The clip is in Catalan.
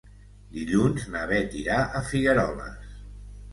Dilluns na Bet irà a Figueroles.